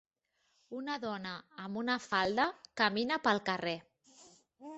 Una dona amb una falda camina pel carrer.